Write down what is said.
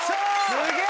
すげえ！